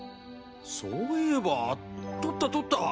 そういえば撮った撮った！